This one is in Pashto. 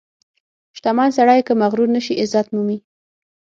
• شتمن سړی که مغرور نشي، عزت مومي.